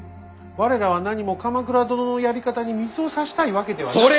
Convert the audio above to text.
我らはなにも鎌倉殿のやり方に水をさしたいわけではなく。